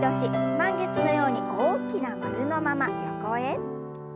満月のように大きな丸のまま横へ。